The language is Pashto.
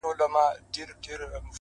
علم د ذهن ځواک دی!